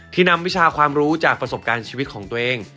นำวิชาความรู้จากประสบการณ์ชีวิตของตัวเอง